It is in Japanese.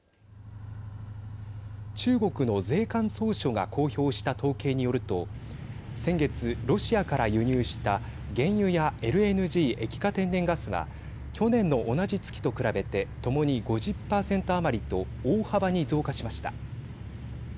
中国の税関総署が公表した統計によると先月、ロシアから輸入した原油やＬＮＧ＝液化天然ガスは去年の同じ月と比べてともに５０％余りと大幅に増加しました。